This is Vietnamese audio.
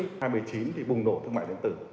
năm hai nghìn một mươi chín thì bùng nổ thương mại điện tử